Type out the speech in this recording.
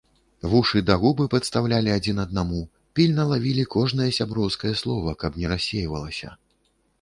Вушы да губы падстаўлялі адзін аднаму, пільна лавілі кожнае сяброўскае слова, каб не рассейвалася.